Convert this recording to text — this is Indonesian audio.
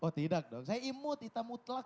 oh tidak dong saya imut hitam mutlak